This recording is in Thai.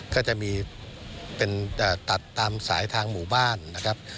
ก็จะมีเป็นตัดตามสายทางหมู่บ้านนะครับ